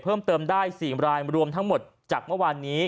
เพิ่มเติมได้๔รายรวมทั้งหมดจากเมื่อวานนี้